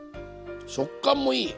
食感もいい。